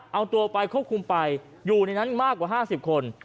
เอาตัวไปควบคุมไปอยู่ในนั้นมากกว่า๕๐คน